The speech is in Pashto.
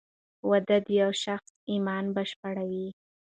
واده د یو شخص ایمان بشپړوې.